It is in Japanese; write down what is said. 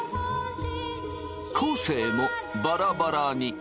昴生もバラバラに。